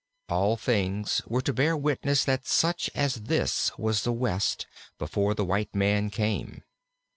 All things were to bear witness that such as this was the West before the white man came.